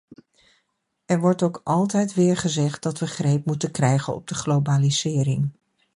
Er wordt ook altijd weer gezegd dat we greep moeten krijgen op de globalisering.